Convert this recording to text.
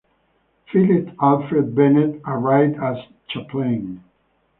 Philip Alfred Bennett arrived as Chaplain.